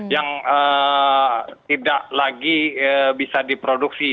yang tidak lagi bisa diproduksi